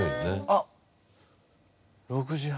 あっ６時半。